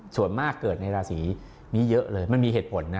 ส่วนมากเกิดในราศีนี้เยอะเลยมันมีเหตุผลนะ